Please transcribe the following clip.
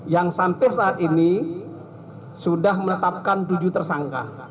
yang sampai saat ini sudah menetapkan tujuh tersangka